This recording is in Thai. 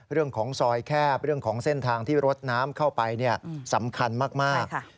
เรื่องของซอยแคบเรื่องของเส้นทางที่รถน้ำเข้าไปสำคัญมาก